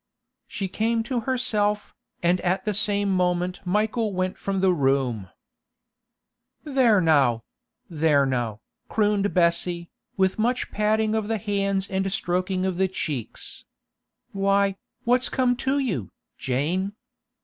She came to herself, and at the same moment Michael went from the room. 'There now; there now,' crooned Bessie, with much patting of the hands and stroking of the cheeks. 'Why, what's come to you, Jane?